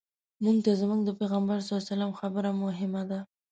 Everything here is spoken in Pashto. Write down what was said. موږ ته زموږ د پیغمبر صلی الله علیه وسلم خبره مهمه ده.